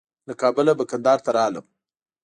له کابله به کندهار ته راغلم.